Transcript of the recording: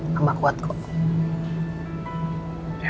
mama kuat kok